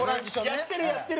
やってる、やってる！